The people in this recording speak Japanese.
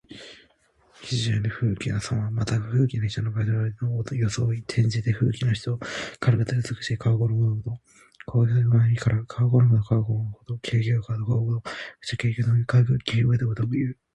非常に富貴なさま。また、富貴な人の外出のときの装い。転じて、富貴の人。軽くて美しい皮ごろもと肥えた立派な馬の意から。「裘」は皮ごろものこと。「軽裘」は軽くて高価な皮ごろも。略して「軽肥」ともいう。また「肥馬軽裘」ともいう。